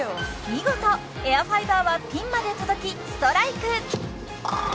見事エアファイバーはピンまで届きストライク